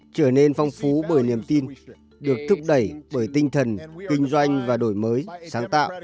trở nên phong phú bởi niềm tin được thúc đẩy bởi tinh thần kinh doanh và đổi mới sáng tạo